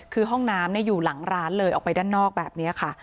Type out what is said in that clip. คือห้องน้ำอยู่หลังร้านเลยออกไปด้านนอกแบบนี้ค่ะ